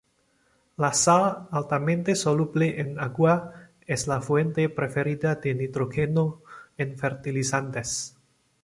La sal altamente soluble en agua es la fuente preferida de nitrógeno en fertilizantes.